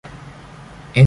Es aborigen de St.